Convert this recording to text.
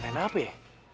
ngerecanain apa ya